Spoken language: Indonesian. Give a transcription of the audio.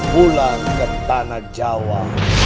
pulang ke tanah jawa